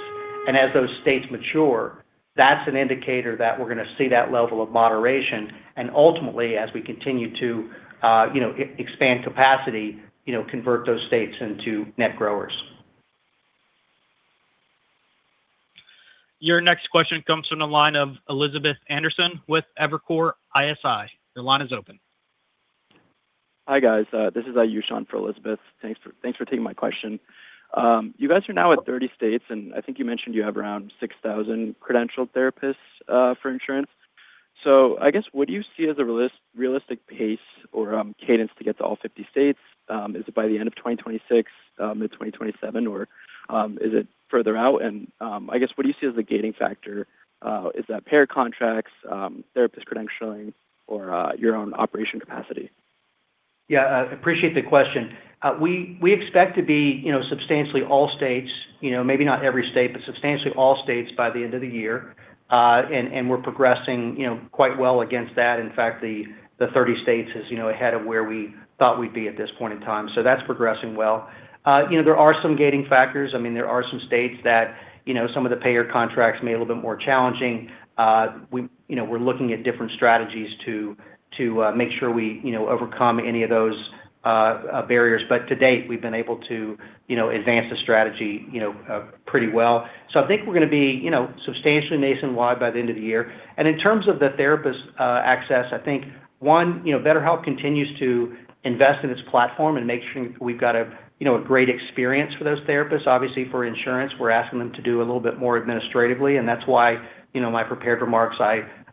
and as those states mature, that's an indicator that we're gonna see that level of moderation and ultimately, as we continue to, you know, expand capacity, you know, convert those states into net growers. Your next question comes from the line of Elizabeth Anderson with Evercore ISI. Your line is open. Hi, guys. This is Ayush on for Elizabeth. Thanks for taking my question. You guys are now at 30 states, I think you mentioned you have around 6,000 credentialed therapists for insurance. I guess, what do you see as a realistic pace or cadence to get to all 50 states? Is it by the end of 2026, mid-2027, is it further out? I guess, what do you see as the gating factor? Is that payer contracts, therapist credentialing, or your own operation capacity? Yeah, appreciate the question. We expect to be, you know, substantially all states, you know, maybe not every state, but substantially all states by the end of the year. We're progressing, you know, quite well against that. In fact, the 30 states is, you know, ahead of where we thought we'd be at this point in time. That's progressing well. You know, there are some gating factors. I mean, there are some states that, you know, some of the payer contracts may be a little bit more challenging. We, you know, we're looking at different strategies to make sure we, you know, overcome any of those barriers. To date, we've been able to, you know, advance the strategy, you know, pretty well. I think we're going to be, you know, substantially nationwide by the end of the year. In terms of the therapist access, I think, one, you know, BetterHelp continues to invest in its platform and make sure we've got a, you know, a great experience for those therapists. Obviously, for insurance, we're asking them to do a little bit more administratively, and that's why, you know, my prepared remarks,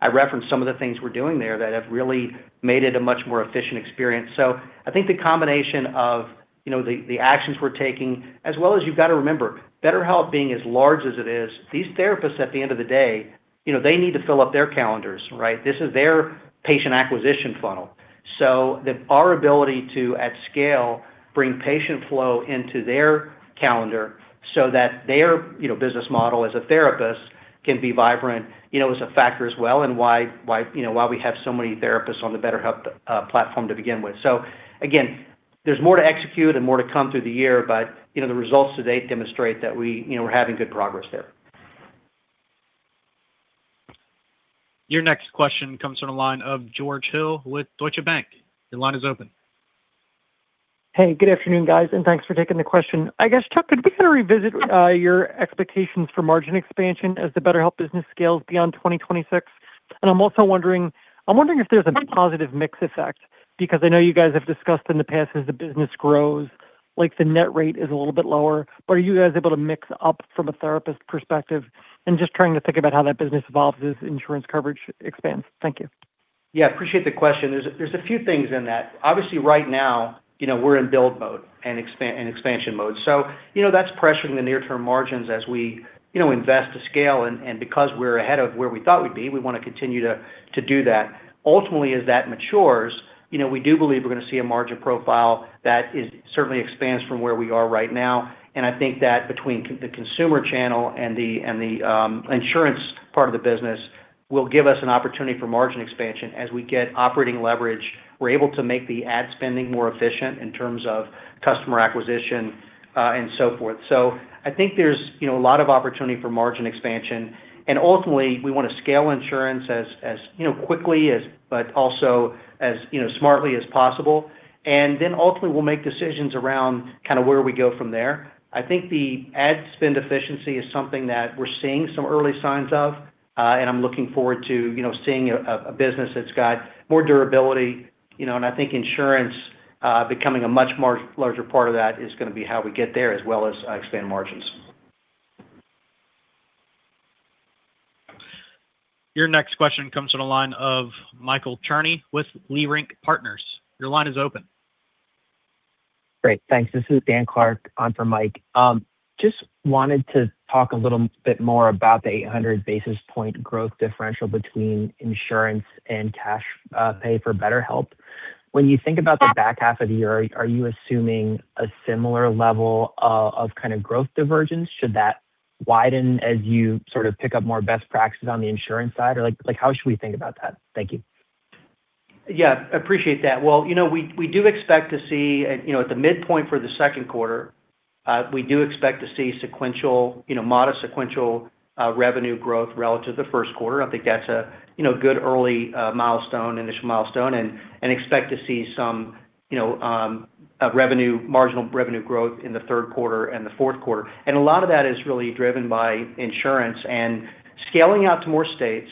I referenced some of the things we're doing there that have really made it a much more efficient experience. I think the combination of, you know, the actions we're taking, as well as you've got to remember, BetterHelp being as large as it is, these therapists at the end of the day, you know, they need to fill up their calendars, right? This is their patient acquisition funnel. Our ability to, at scale, bring patient flow into their calendar so that their, you know, business model as a therapist can be vibrant, you know, is a factor as well in why, you know, why we have so many therapists on the BetterHelp platform to begin with. Again, there's more to execute and more to come through the year, but, you know, the results to date demonstrate that we, you know, we're having good progress there. Your next question comes from the line of George Hill with Deutsche Bank. Your line is open. Hey, good afternoon, guys, and thanks for taking the question. I guess, Chuck, could we kind of revisit your expectations for margin expansion as the BetterHelp business scales beyond 2026? I'm also wondering if there's a positive mix effect, because I know you guys have discussed in the past as the business grows, like, the net rate is a little bit lower. Are you guys able to mix up from a therapist perspective and just trying to think about how that business evolves as insurance coverage expands? Thank you. Yeah, appreciate the question. There's a few things in that. Obviously right now, you know, we're in build mode and expansion mode. You know, that's pressuring the near term margins as we, you know, invest to scale and because we're ahead of where we thought we'd be, we wanna continue to do that. Ultimately, as that matures, you know, we do believe we're gonna see a margin profile that is certainly expands from where we are right now. I think that between the consumer channel and the insurance part of the business will give us an opportunity for margin expansion. As we get operating leverage, we're able to make the ad spending more efficient in terms of customer acquisition and so forth. I think there's, you know, a lot of opportunity for margin expansion, and ultimately we wanna scale insurance as, you know, quickly as, but also as, you know, smartly as possible. Ultimately we'll make decisions around kind of where we go from there. I think the ad spend efficiency is something that we're seeing some early signs of, and I'm looking forward to, you know, seeing a business that's got more durability, you know. I think insurance becoming a much larger part of that is going to be how we get there as well as expand margins. Your next question comes from the line of Michael Cherny with Leerink Partners. Your line is open. Great, thanks. This is Daniel Clark on for Mike. just wanted to talk a little bit more about the 800 basis points growth differential between insurance and cash pay for BetterHelp. When you think about the back half of the year, are you assuming a similar level of kind of growth divergence? Should that widen as you sort of pick up more best practices on the insurance side? Or like how should we think about that? Thank you. Yeah, appreciate that. Well, you know, we do expect to see, you know, at the midpoint for the second quarter, we do expect to see sequential, you know, modest sequential revenue growth relative to first quarter. I think that's a, you know, good early milestone, initial milestone and expect to see some, you know, revenue, marginal revenue growth in the third quarter and the fourth quarter. A lot of that is really driven by insurance and scaling out to more states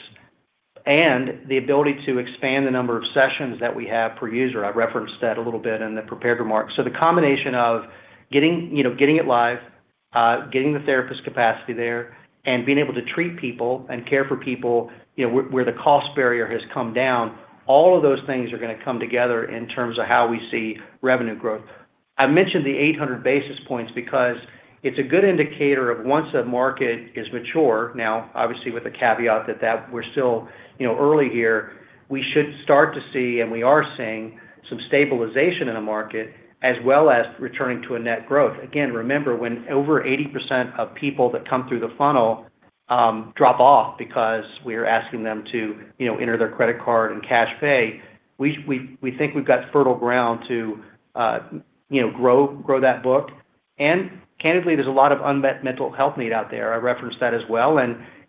and the ability to expand the number of sessions that we have per user. I referenced that a little bit in the prepared remarks. The combination of getting, you know, getting it live, getting the therapist capacity there, and being able to treat people and care for people, you know, where the cost barrier has come down, all of those things are gonna come together in terms of how we see revenue growth. I mentioned the 800 basis points because it's a good indicator of once a market is mature, now obviously with the caveat that we're still, you know, early here, we should start to see, and we are seeing some stabilization in the market as well as returning to a net growth. Remember when over 80% of people that come through the funnel drop off because we are asking them to, you know, enter their credit card and cash pay, we think we've got fertile ground to, you know, grow that book. Candidly, there's a lot of unmet mental health need out there. I referenced that as well.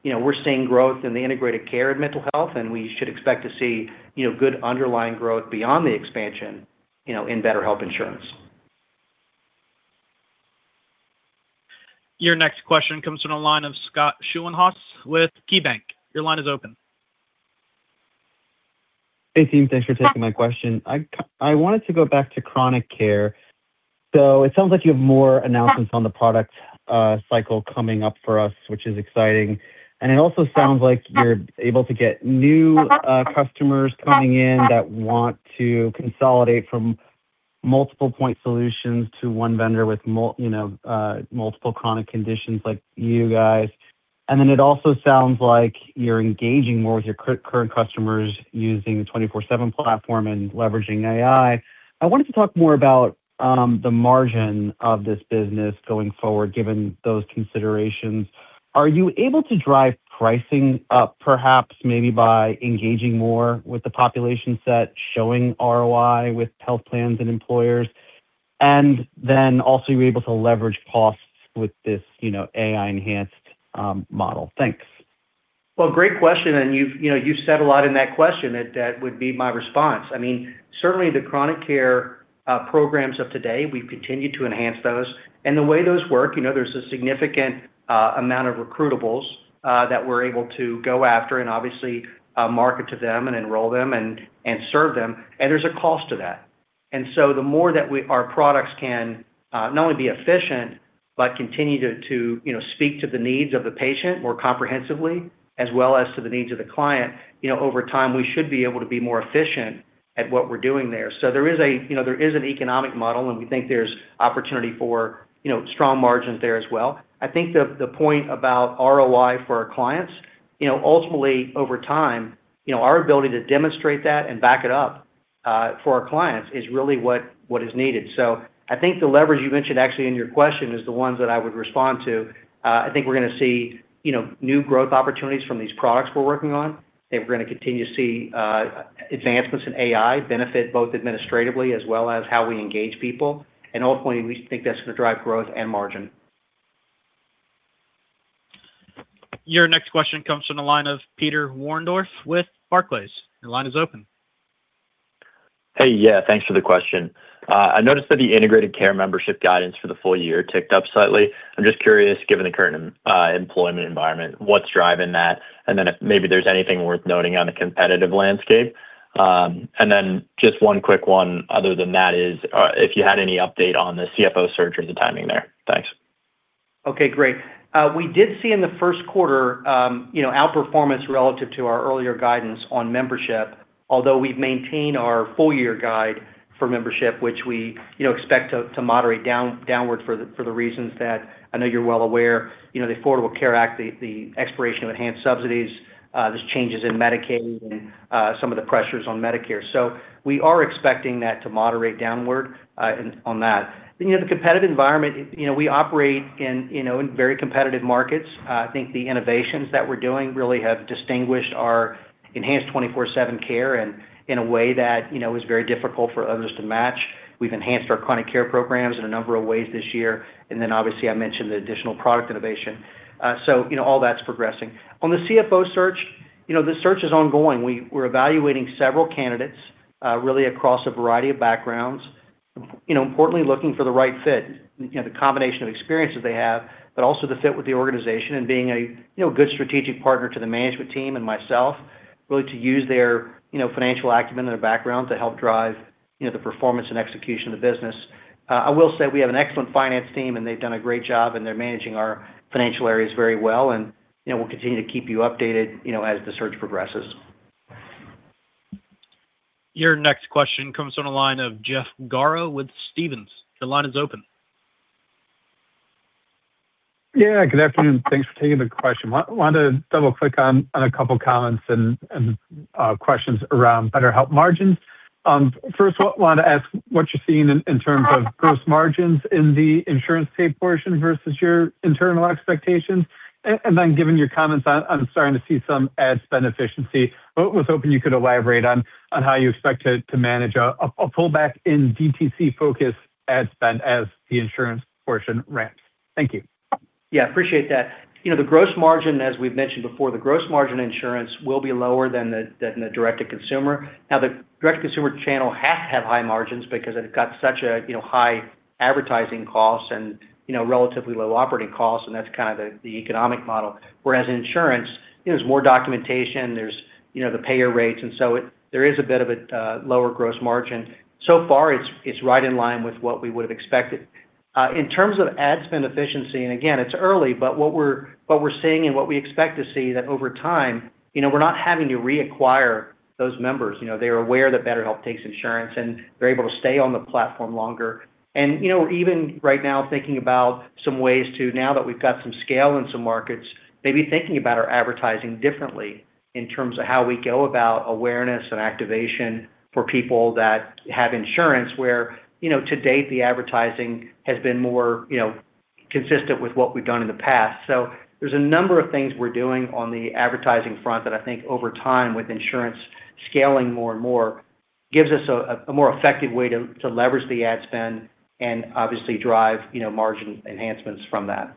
You know, we're seeing growth in the Integrated Care of mental health, and we should expect to see, you know, good underlying growth beyond the expansion, you know, in BetterHelp insurance. Your next question comes from the line of Scott Schoenhaus with KeyBanc. Your line is open. Hey, team. Thanks for taking my question. I wanted to go back to Chronic Care. It sounds like you have more announcements on the product cycle coming up for us, which is exciting, and it also sounds like you're able to get new customers coming in that want to consolidate from multiple point solutions to one vendor with multiple chronic conditions like you guys. It also sounds like you're engaging more with your current customers using the 24/7 platform and leveraging AI. I wanted to talk more about the margin of this business going forward, given those considerations. Are you able to drive pricing up perhaps maybe by engaging more with the population set, showing ROI with health plans and employers, and then also you're able to leverage costs with this, you know, AI enhanced model? Thanks. Great question, and you've, you know, you've said a lot in that question. That, that would be my response. I mean, certainly the Chronic Care programs of today, we've continued to enhance those. The way those work, you know, there's a significant amount of recruitables that we're able to go after and obviously market to them and enroll them and serve them, and there's a cost to that. The more that our products can not only be efficient, but continue to, you know, speak to the needs of the patient more comprehensively, as well as to the needs of the client, you know, over time, we should be able to be more efficient at what we're doing there. There is a, you know, there is an economic model, and we think there's opportunity for, you know, strong margins there as well. I think the point about ROI for our clients, you know, ultimately over time, you know, our ability to demonstrate that and back it up for our clients is really what is needed. I think the leverage you mentioned actually in your question is the ones that I would respond to. I think we're gonna see, you know, new growth opportunities from these products we're working on, and we're gonna continue to see advancements in AI benefit both administratively as well as how we engage people. Ultimately, we think that's gonna drive growth and margin. Your next question comes from the line of Peter Warendorf with Barclays. Your line is open. Hey. Yeah, thanks for the question. I noticed that the Integrated Care membership guidance for the full year ticked up slightly. I'm just curious, given the current employment environment, what's driving that? If maybe there's anything worth noting on the competitive landscape. Just one quick one other than that is, if you had any update on the CFO search or the timing there. Thanks. Okay, great. We did see in the first quarter, you know, out-performance relative to our earlier guidance on membership. We've maintained our full-year guide for membership, which we, you know, expect to moderate downward for the reasons that I know you're well aware. You know, the Affordable Care Act, the expiration of enhanced subsidies, there's changes in Medicaid and some of the pressures on Medicare. We are expecting that to moderate downward on that. You know, the competitive environment, you know, we operate in, you know, in very competitive markets. I think the innovations that we're doing really have distinguished our enhanced 24/7 care and in a way that, you know, is very difficult for others to match. We've enhanced our Chronic Care programs in a number of ways this year. Obviously, I mentioned the additional product innovation. So, you know, all that's progressing. On the CFO search, you know, the search is ongoing. We're evaluating several candidates, really across a variety of backgrounds. You know, importantly, looking for the right fit. You know, the combination of experiences they have, but also the fit with the organization and being a, you know, good strategic partner to the management team and myself, really to use their, you know, financial acumen and their background to help drive, you know, the performance and execution of the business. I will say we have an excellent finance team, and they've done a great job, and they're managing our financial areas very well. You know, we'll continue to keep you updated, you know, as the search progresses. Your next question comes from the line of Jeff Garro with Stephens. The line is open. Yeah, good afternoon. Thanks for taking the question. Want to double-click on a couple comments and questions around BetterHelp margins. First of all, want to ask what you're seeing in terms of gross margins in the insurance pay portion versus your internal expectations. Then given your comments on starting to see some ad spend efficiency, but was hoping you could elaborate on how you expect to manage a pullback in DTC-focused ad spend as the insurance portion ramps. Thank you. Yeah, appreciate that. You know, the gross margin, as we've mentioned before, the gross margin insurance will be lower than the direct-to-consumer. The direct-to-consumer channel has to have high margins because it's got such a, you know, high advertising cost and, you know, relatively low operating costs, and that's kind of the economic model. Whereas insurance, you know, there's more documentation, there's, you know, the payer rates, there is a bit of a lower gross margin. So far, it's right in line with what we would have expected. In terms of ad spend efficiency, and again, it's early, but what we're seeing and what we expect to see that over time, you know, we're not having to reacquire those members. You know, they're aware that BetterHelp takes insurance, and they're able to stay on the platform longer. You know, even right now thinking about some ways to, now that we've got some scale in some markets, maybe thinking about our advertising differently in terms of how we go about awareness and activation for people that have insurance where, you know, to date, the advertising has been more, you know, consistent with what we've done in the past. There's a number of things we're doing on the advertising front that I think over time with insurance scaling more and more gives us a more effective way to leverage the ad spend and obviously drive, you know, margin enhancements from that.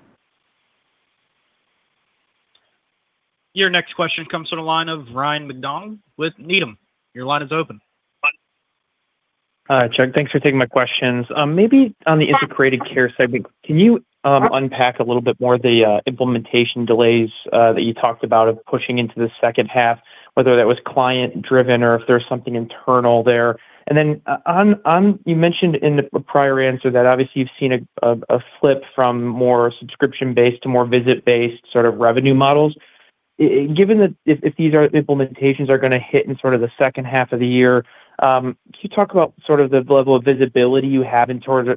Your next question comes from the line of Ryan MacDonald with Needham. Your line is open. Chuck, thanks for taking my questions. Maybe on the Integrated Care side, can you unpack a little bit more the implementation delays that you talked about of pushing into the second half, whether that was client-driven or if there's something internal there? Then you mentioned in the prior answer that obviously you've seen a flip from more subscription-based to more visit-based sort of revenue models. Given that if these implementations are gonna hit in sort of the second half of the year, can you talk about sort of the level of visibility you have in terms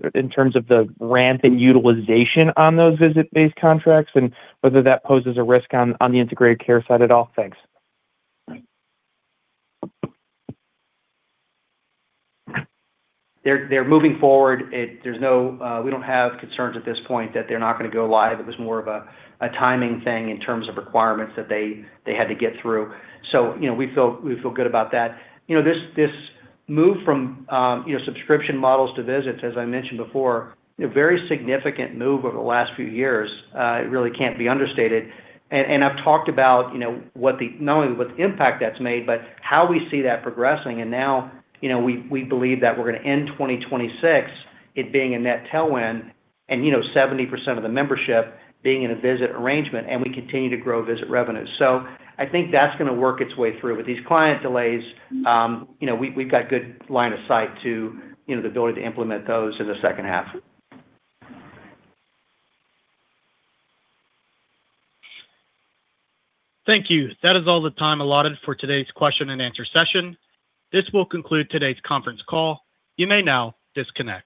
of the ramp and utilization on those visit-based contracts and whether that poses a risk on the Integrated Care side at all? Thanks. They're moving forward. We don't have concerns at this point that they're not gonna go live. It was more of a timing thing in terms of requirements that they had to get through. We feel good about that. This move from subscription models to visits, as I mentioned before, a very significant move over the last few years, it really can't be understated. I've talked about knowing what the impact that's made, but how we see that progressing. Now, we believe that we're gonna end 2026, it being a net tailwind and 70% of the membership being in a visit arrangement, and we continue to grow visit revenues. I think that's gonna work its way through. These client delays, you know, we've got good line of sight to, you know, the ability to implement those in the second half. Thank you. That is all the time allotted for today's question and answer session. This will conclude today's conference call. You may now disconnect.